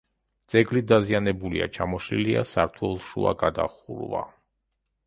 ძეგლი დაზიანებულია, ჩამოშლილია სართულშუა გადახურვა.